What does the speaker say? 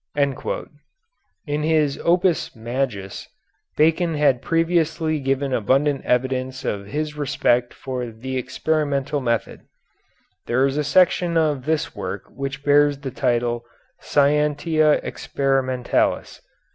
In his "Opus Majus" Bacon had previously given abundant evidence of his respect for the experimental method. There is a section of this work which bears the title "Scientia Experimentalis."